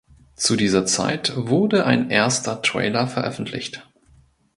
Zu dieser Zeit wurde ein erster Trailer veröffentlicht.